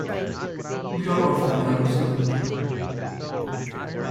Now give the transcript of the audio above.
We are often out of sympathy.